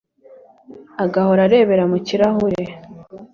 agahora arebera mu kirahure